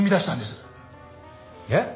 えっ？